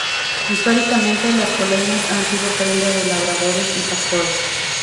Históricamente, las polainas han sido prenda de labradores y pastores.